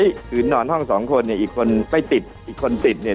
คืนนอนห้องสองคนเนี่ยอีกคนไม่ติดอีกคนติดเนี่ย